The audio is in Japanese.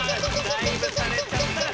ダイブされちゃったら